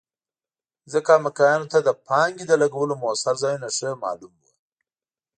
ځکه امریکایانو ته د پانګې د لګولو مؤثر ځایونه ښه معلوم وو.